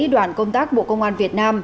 đoàn công tác bộ công an việt nam